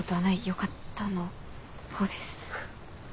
よかった」の「ほっ」です。